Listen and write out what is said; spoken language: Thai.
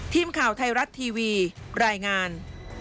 ทีมข่าวไทยรัฐทีวีรายงาน